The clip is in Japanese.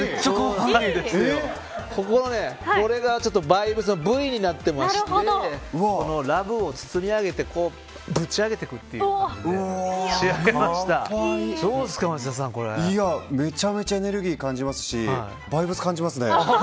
バイブスのＶになっていましてラブを包みあげてぶち上げていくという感じでめちゃめちゃエネルギーを感じますしバイブスを感じます。